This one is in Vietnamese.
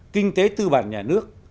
kinh tế tư bản nhà nước